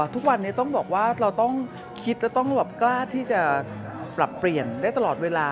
ทุกวันนี้ต้องบอกว่าเราต้องคิดและต้องกล้าที่จะปรับเปลี่ยนได้ตลอดเวลา